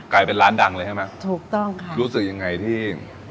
กลายเป็นร้านดังเลยใช่ไหมถูกต้องค่ะรู้สึกยังไงที่